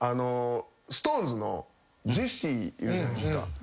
ＳｉｘＴＯＮＥＳのジェシーいるじゃないですか。